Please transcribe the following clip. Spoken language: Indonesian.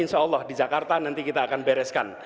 insya allah di jakarta nanti kita akan bereskan